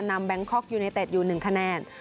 แบงคอกยูเนเต็ดอยู่๑คะแนน